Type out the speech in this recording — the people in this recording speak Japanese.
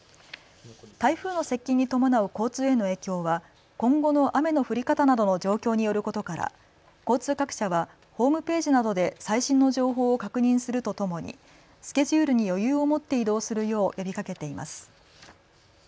台風の接近に伴う交通への影響は今後の雨の降り方などの状況によることから交通各社はホームページなどで最新の情報を確認するとともにスケジュールに余裕を持って移動するよう呼びかけています。